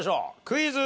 クイズ。